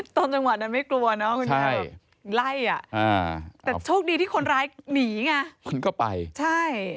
จังหวะนั้นไม่กลัวเนอะคุณยายไล่อ่ะอ่าแต่โชคดีที่คนร้ายหนีไงคนก็ไปใช่